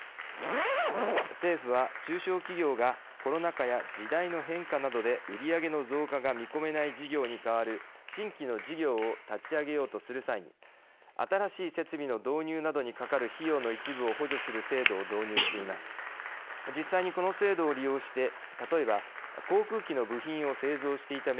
政府は、中小企業がコロナ禍や時代の変化などで売り上げの増加が見込めない事業に代わる新規の事業を立ち上げようとする際に新しい設備の導入などにかかる費用の一部を補助する制度を導入しています。